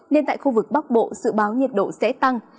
nên tại khu vực bắc bộ dự báo nhiệt độ sẽ tăng